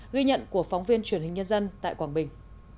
ghi nhận của phóng viên truyền hình nhân dân tại quảng bình